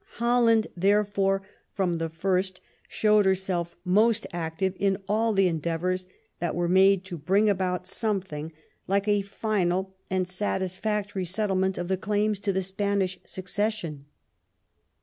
Holland, therefore, from the first showed herself most active in all the endeavors that were made to bring about some thing like a final and satisfactory settlement of the claims to the Spanish succession.